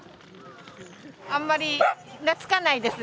あんまり懐かないです。